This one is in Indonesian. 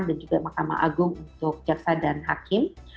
dan juga mahkamah agung untuk kejaksaan dan hakim